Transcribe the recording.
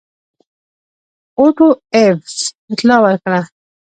اوټو ایفز اطلاع ورکړه.